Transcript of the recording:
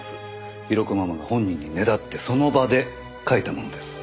ヒロコママが本人にねだってその場で書いたものです。